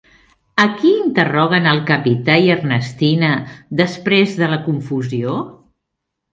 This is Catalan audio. A qui interroguen el Capità i Ernestina després de la confusió?